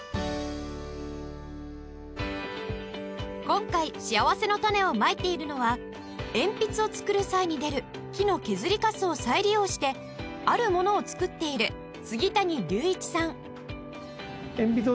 今回しあわせのたねをまいているのは鉛筆を作る際に出る木の削りカスを再利用してあるものを作っている杉谷龍一さん